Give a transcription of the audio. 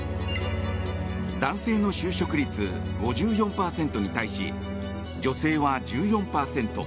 男性の就職率５４％に対し女性は１４％。